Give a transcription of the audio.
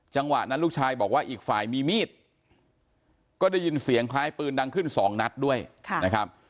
จังหวะนั้นลูกชายบอกว่าอีกฝ่ายมีมีดก็ได้ยินเสียงคล้ายปืนดังขึ้นสองนัดด้วยนะครับ